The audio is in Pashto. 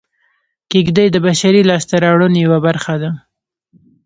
کېږدۍ د بشري لاسته راوړنو یوه برخه ده